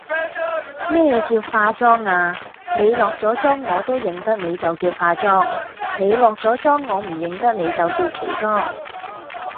咩叫化妝啊，你落左妝我都認得你就叫化妝，你落左裝我唔認得你就叫喬裝!